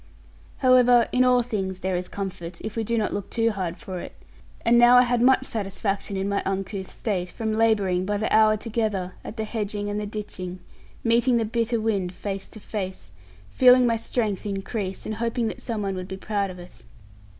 However, in all things there is comfort, if we do not look too hard for it; and now I had much satisfaction, in my uncouth state, from labouring, by the hour together, at the hedging and the ditching, meeting the bitter wind face to face, feeling my strength increase, and hoping that some one would be proud of it.